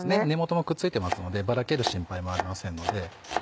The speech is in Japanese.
根元もくっついてますのでばらける心配もありませんので。